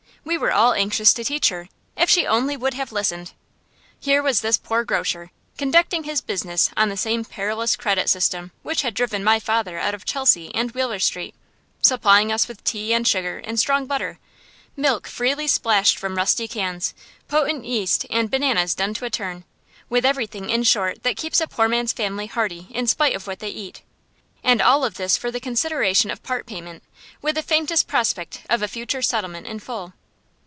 We were all anxious to teach her, if she only would have listened. Here was this poor grocer, conducting his business on the same perilous credit system which had driven my father out of Chelsea and Wheeler Street, supplying us with tea and sugar and strong butter, milk freely splashed from rusty cans, potent yeast, and bananas done to a turn, with everything, in short, that keeps a poor man's family hearty in spite of what they eat, and all this for the consideration of part payment, with the faintest prospect of a future settlement in full.